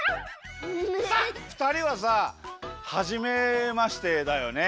さあふたりはさはじめましてだよね。